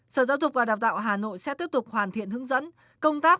sở giáo dục và đào tạo hà nội sẽ tiếp tục hoàn thiện hướng dẫn công tác